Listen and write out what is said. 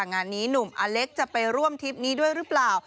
งานนี้หนุ่มอเล็กจะไปร่วมทริปนี้ด้วยหรือเปล่า